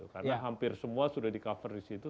karena hampir semua sudah di cover disitu